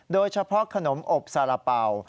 โดยเฉพาะขนมอบสาระเป๋า